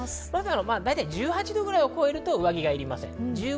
だいたい１８度くらいを超えると上着がいりません。